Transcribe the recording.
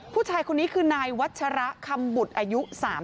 ผู้ชายคนนี้คือนายวัชระคำบุตรอายุ๓๐